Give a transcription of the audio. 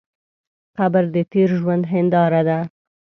قبر د تېر ژوند هنداره ده.